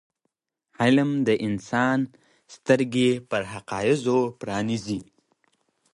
علم د انسان سترګې پر حقایضو پرانیزي.